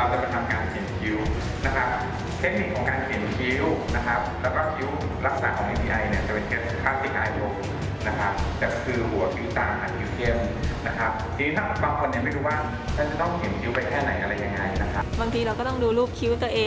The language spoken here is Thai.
บางทีเราก็ต้องดูรูปคิ้วตัวเองอะไรอย่างนี้